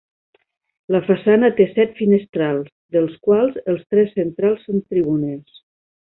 La façana té set finestrals, dels quals els tres centrals són tribunes.